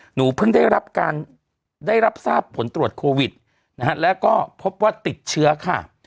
หนูเพิ่งได้รับการได้รับทราบผลตรวจโควิดนะฮะแล้วก็พบว่าติดเชื้อค่ะ